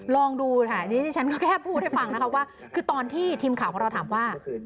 ลองดูทางที่ซิฉันก็แก้พูดให้ฟังในวันที่ทีมข่าวเราถามว่า